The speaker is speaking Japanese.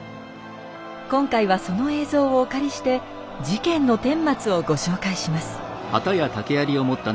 今回はその映像をお借りして事件のてんまつをご紹介します。